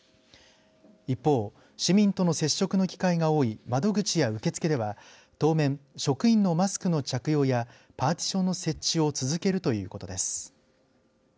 一方、市民との接触の機会が多い窓口や受付では当面職員のマスクの着用やパーティションの設置を続けるということです。